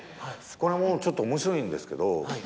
これもうちょっと面白いんですけど。